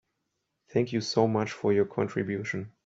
Thank you so much for your contribution.